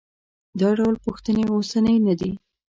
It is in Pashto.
دا ډول پوښتنې اوسنۍ نه دي.